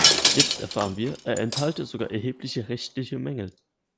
Jetzt erfahren wir, er enthalte sogar erhebliche rechtliche Mängel.